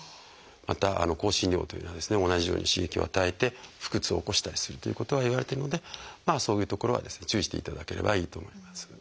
また香辛料というのは同じように刺激を与えて腹痛を起こしたりするということはいわれてるのでそういうところは注意していただければいいと思います。